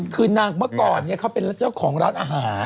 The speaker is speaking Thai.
คือนางเมื่อก่อนเขาเป็นเจ้าของร้านอาหาร